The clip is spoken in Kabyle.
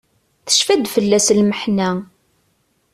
Tecfa-d fell-as lmeḥna.